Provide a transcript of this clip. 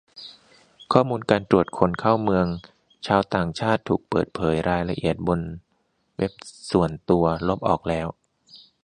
ข้อมูลการตรวจคนเข้าเมืองชาวต่างชาติถูกเปิดเผยรายละเอียดบนเว็บส่วนตัว ลบออกแล้ว